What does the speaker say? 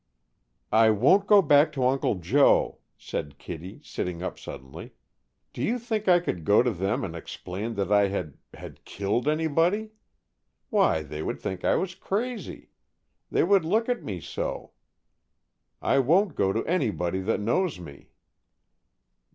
"I won't go back to Uncle Joe," said Kittie, sitting up suddenly. "Do you think I could go to them and explain that I had had killed anybody? Why, they would think I was crazy. They would look at me so. I won't go to anybody that knows me."